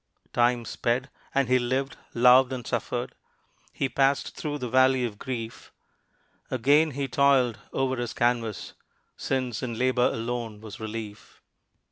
Time sped. And he lived, loved, and suffered; He passed through the valley of grief. Again he toiled over his canvas, Since in labor alone was relief.